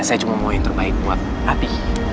saya cuma mau yang terbaik buat api